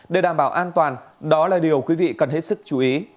để đảm bảo an toàn đó là điều quý vị cần hết sức chú ý